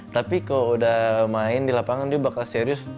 tapi kalau udah main di lapangan dia bakal serius